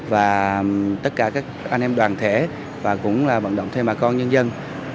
và tất cả các anh em đoàn thể và cũng là vận động thêm bà con nhân dân